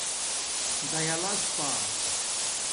دایلس پݳ